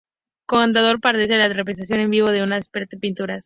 Cantor aparece como la representación en vivo de una de sus pinturas.